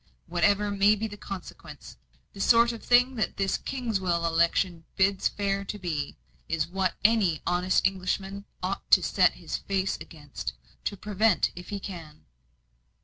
Whatever may be the consequence, the sort of thing that this Kingswell election bids fair to be, is what any honest Englishman ought to set his face against, and prevent if he can."